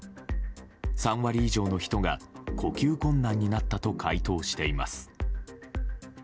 ３割以上の人が呼吸困難になったと回答しています。